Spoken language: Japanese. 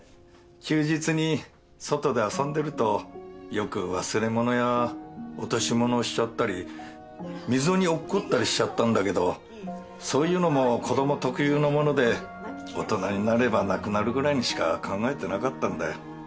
休日に外で遊んでるとよく忘れ物や落とし物をしちゃったり溝に落っこったりしちゃったんだけどそういうのも子供特有のもので大人になればなくなるぐらいにしか考えてなかったんだよ。